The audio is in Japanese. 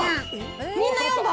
みんな４番？